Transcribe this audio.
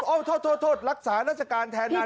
โแล้วทดทดรักษานัจจักรแทนนาย